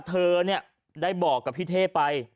เธอเนี่ยได้บอกกับพี่เท่ไป